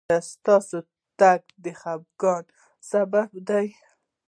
ایا ستاسو تګ د خفګان سبب دی؟